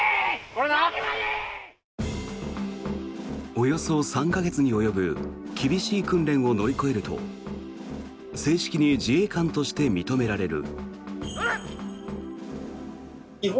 およそ３か月に及ぶ厳しい訓練を乗り越えると正式に自衛官として認められる。